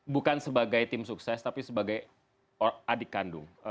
bukan sebagai tim sukses tapi sebagai adik kandung